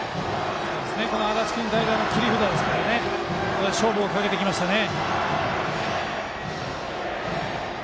安達君代打の切り札ですからここで勝負をかけてきましたね。